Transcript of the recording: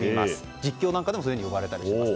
実況なんかでもそういうふうに呼ばれたりします。